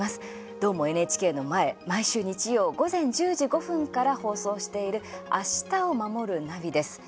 「どーも、ＮＨＫ」の前毎週日曜、午前１０時５分から放送している「明日をまもるナビ」です。